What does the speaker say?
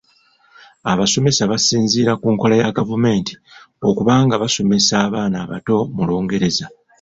Abasomesa basinziira ku nkola ya gavumenti okuba nga basomesa abaana abato mu Lungereza.